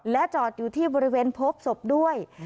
และจอดอยู่ที่บริเวณพบศพด้วย